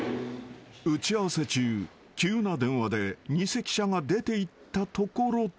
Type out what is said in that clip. ［打ち合わせ中急な電話で偽記者が出ていったところで］